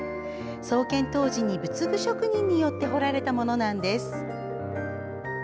創建当時に仏具職人によって彫られたものなんです。